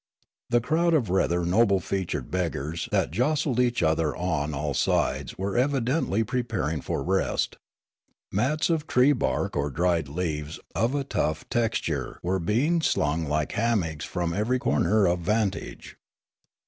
The crowd of rather noble featured beggars that jostled each other on all sides were evidentlj preparing for rest. Mats of tree bark or dried leaves of a tough texture were being slung like hammocks from every corner of vantage.